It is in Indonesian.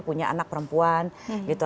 punya anak perempuan gitu